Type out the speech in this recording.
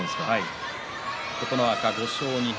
琴ノ若５勝２敗。